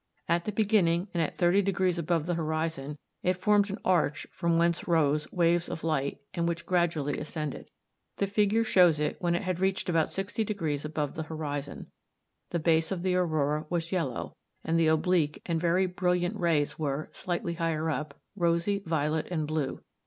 At the beginning, and at 30° above the horizon, it formed an arch from whence rose waves of light, and which gradually ascended. The figure shows it when it had reached about 60° above the horizon. The base of the aurora was yellow, and the oblique and very brilliant rays were, slightly higher up, rosy, violet, and blue.